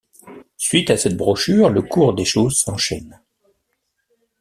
Suite à cette brochure, le cours des choses s’enchaîne.